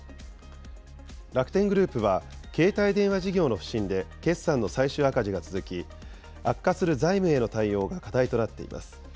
楽天グループは、携帯電話事業の不振で決算の最終赤字が続き、悪化する財務への対応が課題となっています。